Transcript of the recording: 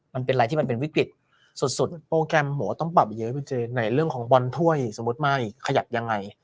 มันเป็นอะไรที่มันเป็นวิกฤตสุดโปรแกรมหมอต้องปรับเยอะพี่เจไหนเรื่องของบอลถ้วยสมมุติไม่ขยับยังไง